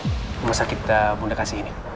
di rumah sakit bunda kasih ini